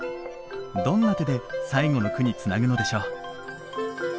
どんな手で最後の句につなぐのでしょう。